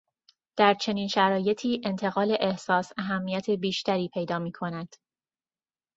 در چنین شرایطی انتقال احساس اهمیت بیشتری پیدا میکند.